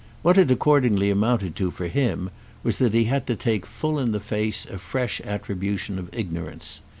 What it accordingly amounted to for him was that he had to take full in the face a fresh attribution of ignorance.